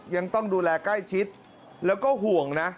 ยังต้องดูแลใกล้ชิดแล้วก็ห่วงนะ